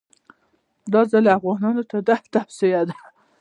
دا ځل یې افغانانو ته دا توصیه وه.